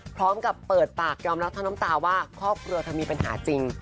พร้อมกับเปิดปากยอมรับทั้งน้ำตาว่าครอบครัวเธอมีปัญหาจริง